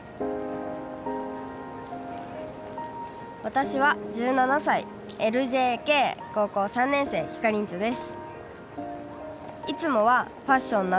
私は１７歳ＬＪＫ高校３年生ひかりんちょです。